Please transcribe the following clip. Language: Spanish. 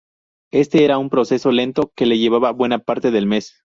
Este era un proceso lento, que le llevaba buena parte del mes.